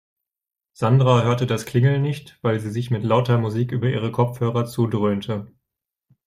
Sandra hörte das Klingeln nicht, weil sie sich mit lauter Musik über ihre Kopfhörer zudröhnte.